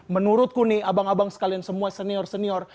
menurutku nih abang abang sekalian semua senior senior